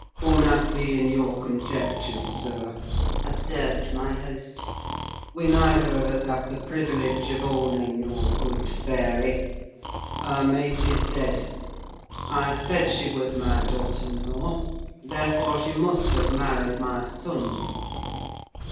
"Unhappy in your conjectures, sir," observed my host; "we neither of us have the privilege of owning your good fairy; her mate is dead. I said she was my daughter in law: therefore, she must have married my son."